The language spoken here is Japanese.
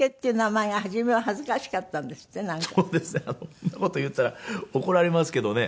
そんな事を言ったら怒られますけどね。